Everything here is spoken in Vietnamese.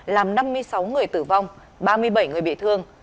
làm năm mươi sáu người tử vong ba mươi bảy người bị thương